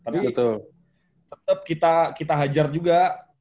tapi tetap kita hajar juga